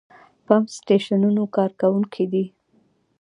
پمپ سټېشنونو کارکوونکي دي.